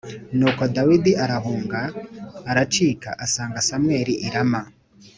Nuko Dawidi arahunga, aracika asanga Samweli i Rama